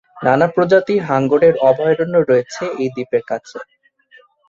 নানা প্রজাতির হাঙরের অভয়ারণ্য রয়েছে এই দ্বীপের কাছে।